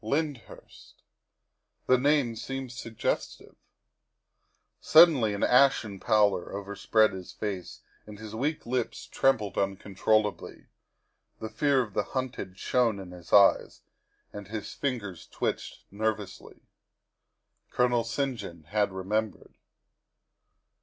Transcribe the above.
Lyndhurst. The name seemed suggestive. Suddenly an ashen pallor overspread his face and his weak lips trembled uncontrollably; the fear of the hunted shone in his eyes and his fingers twitched nervously. Colonel St. John had remembered.